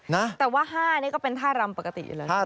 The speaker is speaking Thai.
แต่ว่า๕นี่ก็เป็นท่ารำปกติอยู่เลย